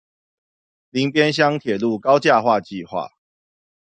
林邊鄉鐵路高架化計畫